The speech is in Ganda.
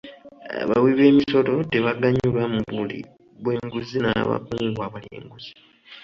Abawi b'emisolo tebaganyula mu buli bw'enguzi n'abakungu abalya enguzi.